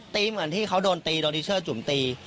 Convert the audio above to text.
ตีเหมือนที่เขาโดนตีโดนที่เชื่อจุ่มตี